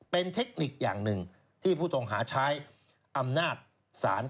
เป็นเทคนิคอย่างหนึ่งที่ผู้ต้องหาใช้อำนาจศาล